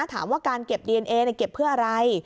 ถามว่าการเก็บดีเอนเอเก็บเพื่ออะไร